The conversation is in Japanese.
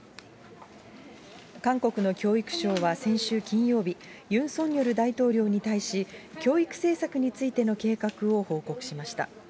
韓国の教育省は先週金曜日、ユン・ソンニョル大統領に対し、教育政策についての計画を報告しました。